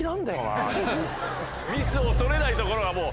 ミスを恐れないところがもう。